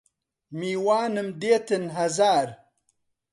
میوانم دێتن هەزار